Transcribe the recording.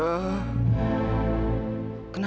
kenapa harus menyebutnya